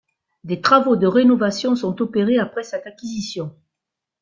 Des travaux de rénovation sont opérés après cette acquisition.